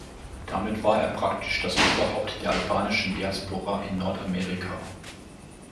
Damit war er praktisch das Oberhaupt der albanischen Diaspora in Nordamerika.